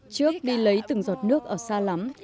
trước đi lấy từng giọt nước ở xã lắm